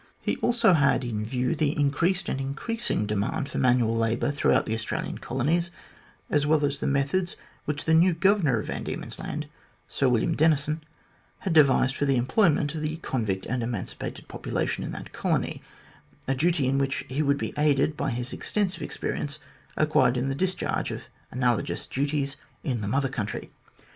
He also had in view the increased and increasing demand for manual labour throughout the Australian Colonies, as well as the methods which the new Governor of Van Diemen's Land, Sir William Denison, had devised for the employment of the convict and emancipated population in that colony a duty in which he would be aided by his extensive experience acquired in the discharge of analogous duties in the Mother Country.